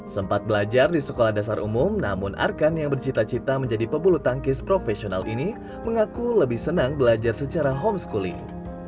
sempat belajar di sekolah dasar umum namun arkan yang bercita cita menjadi pebulu tangkis profesional ini mengaku lebih senang belajar secara homeschooling